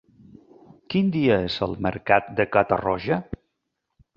Quin dia és el mercat de Catarroja?